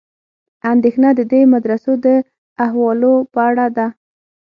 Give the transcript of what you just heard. اندېښنه د دې مدرسو د احوالو په اړه ده.